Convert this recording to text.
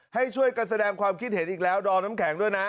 ให้ช่วยกันแสดงความคิดเห็นอีกแล้วดอมน้ำแข็งด้วยนะ